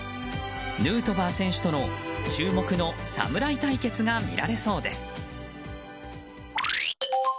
ヌートバー選手との注目の侍対決が見られそうです。